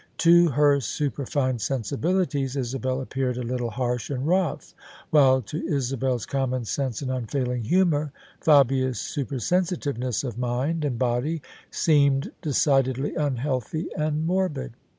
To her superfine sensibilities, Isabel appeared a little harsh and rough : while to Isabel's common sense and unfailing humour, Fabia's supersensitiveness of mind and body seemed decidedly unhealthy and morbid.